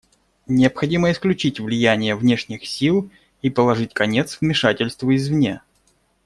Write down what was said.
Необходимо исключить влияние внешних сил и положить конец вмешательству извне.